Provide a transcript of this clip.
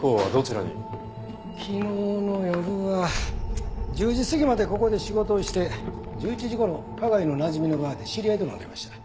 昨日の夜は１０時過ぎまでここで仕事をして１１時頃花街のなじみのバーで知り合いと飲んでました。